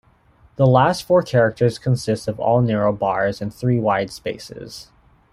The last four characters consist of all narrow bars and three wide spaces.